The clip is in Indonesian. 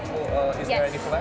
ada apa apa pelan